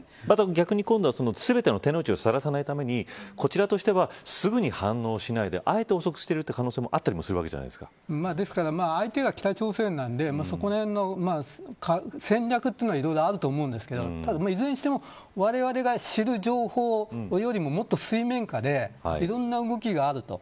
逆に今度は、全ての手の内をさらさないためにこちらとしてはすぐに反応しないであえて遅くしている可能性もあったりするわけじゃないですか相手が北朝鮮なのでそのあたりの戦略は、いろいろあると思うんですけど、いずれにしてもわれわれが知る情報よりももっと水面下でいろんな動きがあると。